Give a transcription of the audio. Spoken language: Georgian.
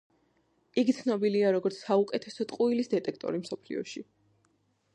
იგი ცნობილია როგორც „საუკეთესო ტყუილის დეტექტორი მსოფლიოში“.